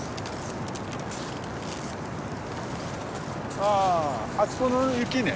ああそこの雪ね。